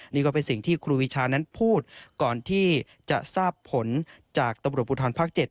นี่ก็เป็นสิ่งที่ครูวิชานั้นพูดก่อนที่จะทราบผลจากตำรวจภูทรภาค๗